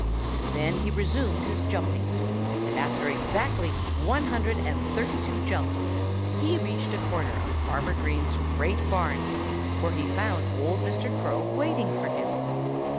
Then he resumed his jumping. And after exactly one hundred and thirty two jumps he reached a corner of Farmer Green's great barn, where he found old Mr. Crow waiting for him.